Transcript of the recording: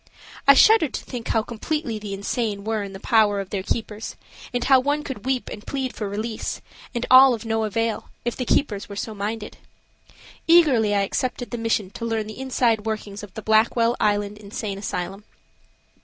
I shuddered to think how completely the insane were in the power of their keepers, and how one could weep and plead for release, and all of no avail, if the keepers were so minded. Eagerly I accepted the mission to learn the inside workings of the Blackwell Island Insane Asylum.